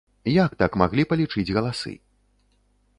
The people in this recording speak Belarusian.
Як так маглі палічыць галасы?